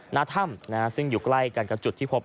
หน้าถ้ำซึ่งอยู่ใกล้กันกับจุดที่พบ